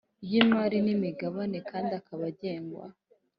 ry imari n imigabane kandi akaba agengwa